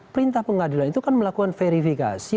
perintah pengadilan itu kan melakukan verifikasi